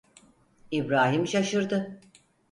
İbrahim şaşırdı.